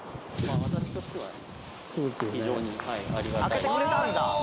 空けてくれたんだ。